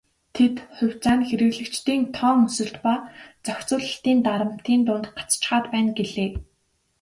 Тэд "хувьцаа нь хэрэглэгчдийн тоон өсөлт ба зохицуулалтын дарамтын дунд гацчихаад байна" гэлээ.